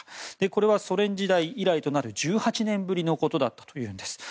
これはソ連時代以来となる１８年ぶりのことだというんです。